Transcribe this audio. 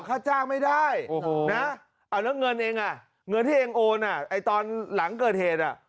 ข้าจ้างไม่ได้โอ้โหนะแล้วเงินเองน่ะเงินที่เองโอนหลังเกิดเหตุ